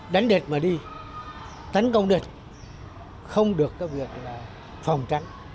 đánh địch mà đi tấn công địch không được cái việc phòng tránh